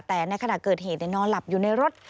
แต่ในขณะเกิดเหตุนอนหลับอยู่ในรถ